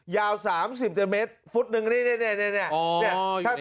ยาวสามสิบเจอร์เมตรฟุตหนึ่งนี่นี่นี่อ๋ออยู่ในย้าง